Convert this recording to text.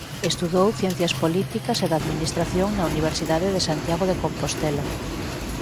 Estudou Ciencias Políticas e da Administración na Universidade de Santiago de Compostela.